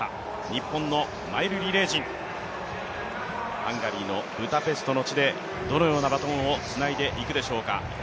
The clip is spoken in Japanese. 日本のマイルリレー陣、ハンガリーのブダペストの地でどのようなバトンをつないでいくでしょうか。